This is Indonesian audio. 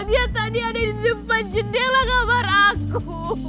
dia tadi ada di depan jendela kamar aku